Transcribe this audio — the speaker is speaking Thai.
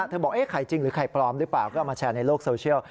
บอกเอ๊ะไข่จริงหรือไข่ปลอมหรือเปล่าก็เอามาแชร์ในโลกโซเชียล